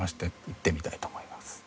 いってみたいと思います。